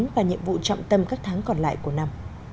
và nhiệm vụ trọng tâm các tháng còn lại của năm